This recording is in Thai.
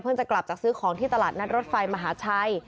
จะกลับจากซื้อของที่ตลาดนัดรถไฟมหาชัย